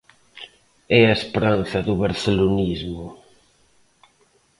É a esperanza do barcelonismo.